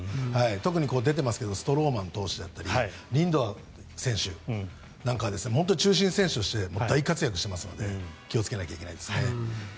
特に出てますがストローマン投手だったりリンドア選手なんかは中心選手として大活躍してるので気をつけないといけないです。